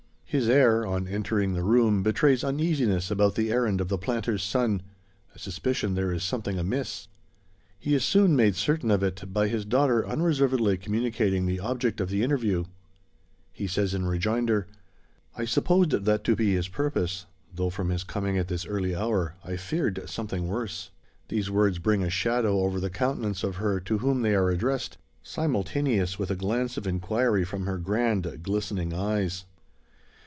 His air, on entering the room, betrays uneasiness about the errand of the planter's son a suspicion there is something amiss. He is soon made certain of it, by his daughter unreservedly communicating the object of the interview. He says in rejoinder: "I supposed that to be his purpose; though, from his coming at this early hour, I feared something worse." These words bring a shadow over the countenance of her to whom they are addressed, simultaneous with a glance of inquiry from her grand, glistening eyes.